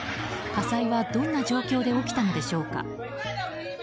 火災はどんな状況で起きたのでしょうか。